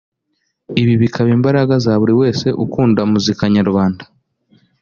ibi bikaba imbaraga za buri wese ukunda muzika nyarwanda